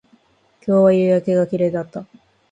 今日は夕焼けが綺麗だった